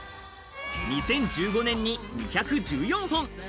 ２０１５年に１１４本。